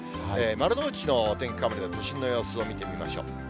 丸の内のお天気のカメラ、都心の様子を見てみましょう。